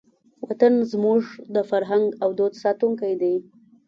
وطن زموږ د فرهنګ او دود ساتونکی دی.